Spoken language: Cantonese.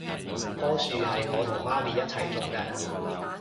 樖樹係我同媽咪一齊種㗎